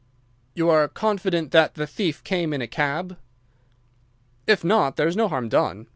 "You are confident that the thief came in a cab?" "If not, there is no harm done.